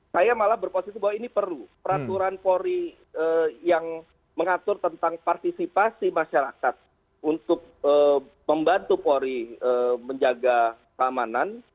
saya malah berposisi bahwa ini perlu peraturan polri yang mengatur tentang partisipasi masyarakat untuk membantu polri menjaga keamanan